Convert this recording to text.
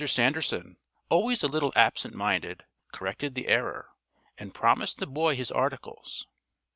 Sanderson, always a little absent minded, corrected the error, and promised the boy his articles.